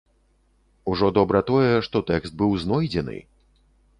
Ужо добра тое, што тэкст быў знойдзены!